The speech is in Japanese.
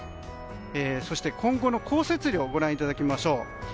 そして今後の降雪量をご覧いただきましょう。